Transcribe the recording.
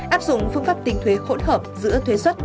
áp dụng phương pháp tính thuế hỗn hợp giữa thuế xuất